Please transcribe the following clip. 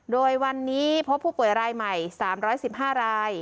โดยวันนี้พบผู้ป่วยรายใหม่สามร้อยสิบห้าราย